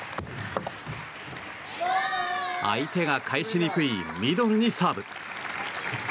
相手が返しにくいミドルにサーブ。